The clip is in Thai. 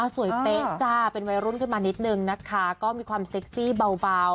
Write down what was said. เป๊ะจ้าเป็นวัยรุ่นขึ้นมานิดนึงนะคะก็มีความเซ็กซี่เบา